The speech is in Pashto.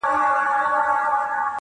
د وطن را باندي پروت یو لوی احسان دی-